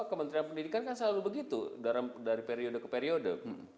kementerian pendidikan kan selalu begitu dari periode ke periode